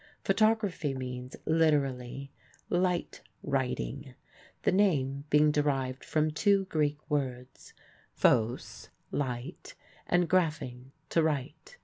Photography means, literally, "light writing," the name being derived from two Greek words, phos, light, and graphein, to write.